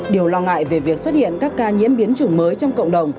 điều lo ngại về việc xuất hiện các ca nhiễm biến chủng mới trong cộng đồng